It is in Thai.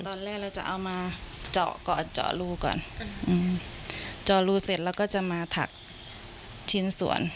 เราจะเอามาเจาะก่อนเจาะรูก่อนอืมเจาะรูเสร็จเราก็จะมาถักชิ้นส่วน